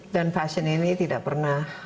dan passion ini semangatnya tidak pernah turun sih